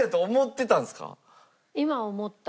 今思った。